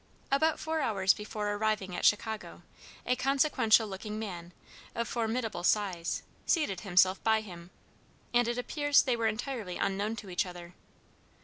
About four hours before arriving at Chicago, a consequential looking man, of formidable size, seated himself by him, and it appears they were entirely unknown to each other.